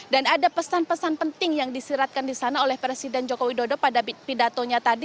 dan ada pesan pesan penting yang disiratkan di sana oleh presiden jokowi dodo pada pidatonya tadi